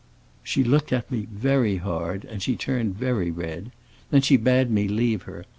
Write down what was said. "She looked at me very hard, and she turned very red. Then she bade me leave her.